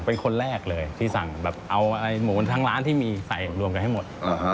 เป็นคนแรกเลยที่สั่งแบบเอาหมูทั้งร้านที่มีใส่รวมกันให้หมด